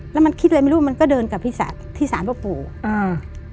แล้วมันคิดอะไรไม่รู้มันก็เดินกลับที่ศาลที่สารพ่อปู่อ่า